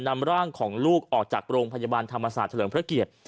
นำร่างของลูกออกจากโรงพยาบาลธรรมศาสตร์เฉลิมพระเกียรติ